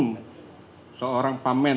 tidak ada yang bisa diperlukan